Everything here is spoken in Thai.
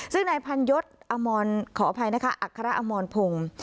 ซึ่งนายพันยศขออภัยนะคะอัคระอมรพงศ์